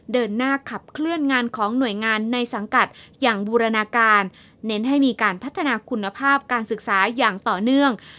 เดินหน้าขับเคลื่อนงานของหน่วยงานในสังกัดอย่างบูรณาการเน้นให้มีการพัฒนาคุณภาพการศึกษาอย่างต่อเนื่อง